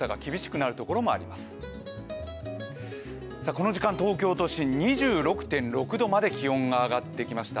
この時間東京都心２６．６度まで気温が上がってきました。